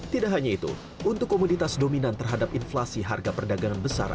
tidak hanya itu untuk komoditas dominan terhadap inflasi harga perdagangan besar